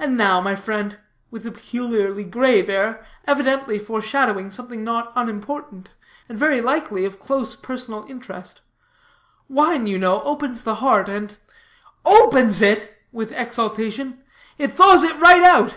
And now, my friend," with a peculiarly grave air, evidently foreshadowing something not unimportant, and very likely of close personal interest; "wine, you know, opens the heart, and " "Opens it!" with exultation, "it thaws it right out.